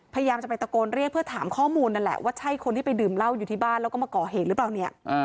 พยายามจะไปตะโกนเรียกเพื่อถามข้อมูลนั่นแหละว่าใช่คนที่ไปดื่มเหล้าอยู่ที่บ้านแล้วก็มาก่อเหตุหรือเปล่าเนี่ย